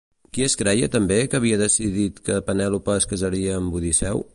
Qui es creia també que havia decidit que Penèlope es casaria amb Odisseu?